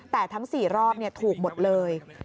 แต่ทั้ง๔รอบถูกหมดเลย